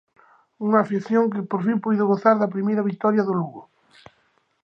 Unha afección que por fin puido gozar da primeira vitoria do Lugo.